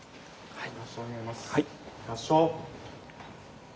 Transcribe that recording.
はい。